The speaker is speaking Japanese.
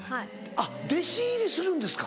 あっ弟子入りするんですか。